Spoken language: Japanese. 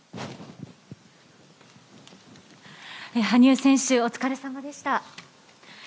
羽生選手、お疲れさまでした。